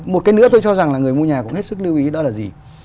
một cái nữa tôi cho rằng là người mua nhà cũng hết sức lưu ý đó là gì